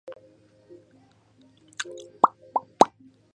Roscoe Gilkey Dickinson was one of his famous students.